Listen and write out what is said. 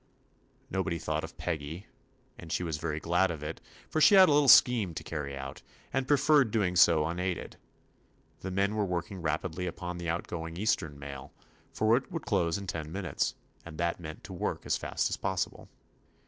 Nobody thought of Peggy, and she was very glad of it, for she had a little scheme to carry out, and Peggy had a little scheme to carry out. preferred doing so unaided. The men were working rapidly upon the outgoing Eastern mail, for it would close in ten minutes, and that meant to work as fast as possible.